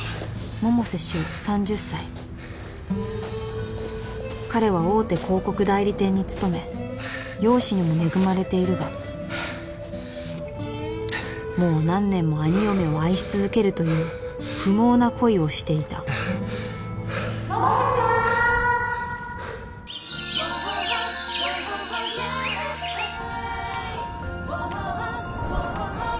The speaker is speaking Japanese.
百瀬柊３０歳彼は大手広告代理店に勤め容姿にも恵まれているがもう何年も兄嫁を愛し続けるという不毛な恋をしていた百瀬さん！